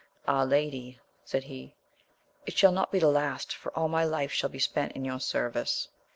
Ah, lady, said he, it shall not be the last, for all my life shall be spent in your service.